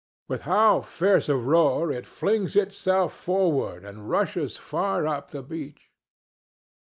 With how fierce a roar it flings itself forward and rushes far up the beach!